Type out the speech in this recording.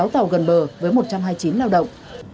một mươi sáu tàu gần bờ với một trăm hai mươi chín lao động